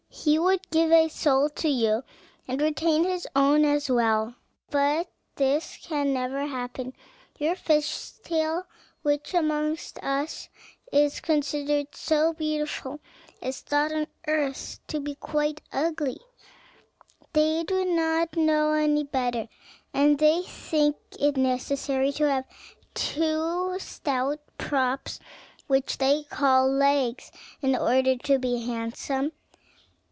He would give a soul to you and retain his own as well; but this can never happen. Your fish's tail, which amongst us is considered so beautiful, is thought on earth to be quite ugly; they do not know any better, and they think it necessary to have two stout props, which they call legs, in order to be handsome."